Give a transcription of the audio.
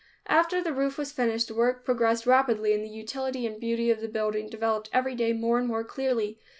After the roof was finished, work progressed rapidly and the utility and beauty of the building developed every day more and more clearly.